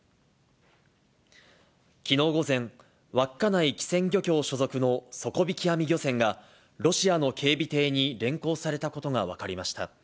きのう午前、稚内機船漁協所属の底引き網漁船がロシアの警備艇に連行されたことが分かりました。